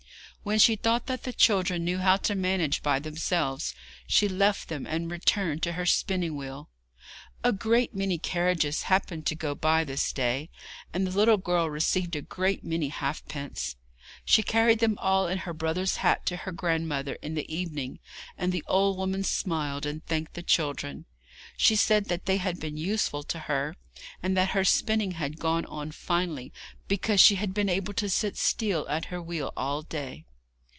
When she thought that the children knew how to manage by themselves she left them and returned to her spinning wheel. A great many carriages happened to go by this day, and the little girl received a great many halfpence. She carried them all in her brother's hat to her grandmother in the evening, and the old woman smiled and thanked the children. She said that they had been useful to her, and that her spinning had gone on finely, because she had been able to sit still at her wheel all day.